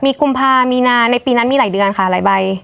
มีกุมภามีนาในปีนั้นมีหลายเดือนค่ะหลายใบ